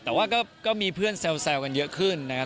แต่ว่าก็มีเพื่อนแซวกันเยอะขึ้นนะครับ